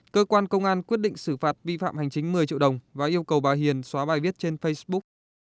cơ quan công an quyết định xử phạt vi phạm hành chính một mươi triệu đồng và yêu cầu bà hiền xóa bài viết trên facebook